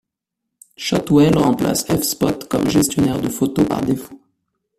Shotwell remplace F-spot comme gestionnaire de photos par défaut.